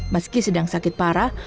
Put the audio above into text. meski sedang sakit parah